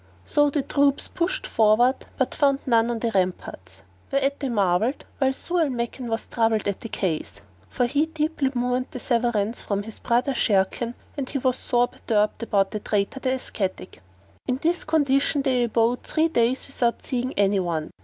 So the troops pushed forward, but found none on the ramparts, whereat they marvelled, while Zau al Makan was troubled at the case, for he deeply mourned the severance from his brother Sharrkan and he was sore perturbed about that traitor the Ascetic. In this condition they abode three days without seeing anyone.